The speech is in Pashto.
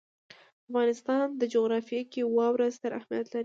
د افغانستان جغرافیه کې واوره ستر اهمیت لري.